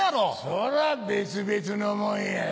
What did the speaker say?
そりゃあ別々のもんや。